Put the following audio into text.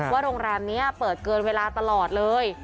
โรงแรมนี้เปิดเกินเวลาตลอดเลย